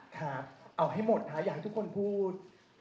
ครับเอาให้หมดค่ะอยากให้ทุกคนพูด